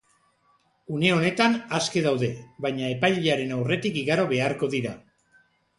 Une honetan aske daude, baina epailearen aurretik igaro beharko dira.